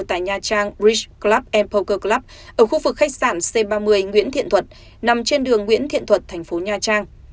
tại nha trang bridge club poker club ở khu vực khách sạn c ba mươi nguyễn thiện thuật nằm trên đường nguyễn thiện thuật thành phố nha trang